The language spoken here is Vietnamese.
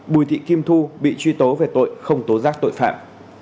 bùi thị kim thu bị truy tố về tội không tố giác tội phạm